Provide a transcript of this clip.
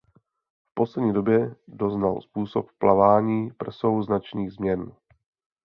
V poslední době doznal způsob plavání prsou značných změn.